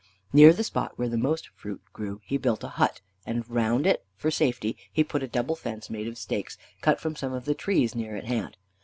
Near the spot where the most fruit grew, he built a hut, and round it, for safety, he put a double fence made of stakes cut from some of the trees near at hand.